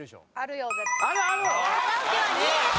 カラオケは２位です。